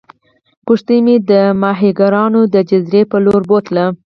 کښتۍ مې د ماهیګیرانو د جزیرې په لورې بوتله.